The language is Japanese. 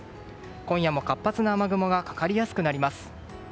今夜も活発な雨雲がかかりやすくなります。